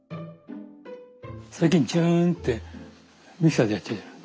最近チューンってミキサーでやっちゃうじゃない。